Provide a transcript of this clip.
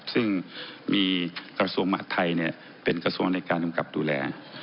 ซึ่งมีกระทรวงมหาดไทยเป็นกระทรวงในการกำกับดูแล